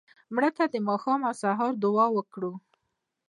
مړه ته د ماښام او سهار دعا وکړه